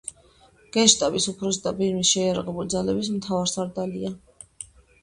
გენშტაბის უფროსი და ბირმის შეიარაღებული ძალების მთავარსარდალია.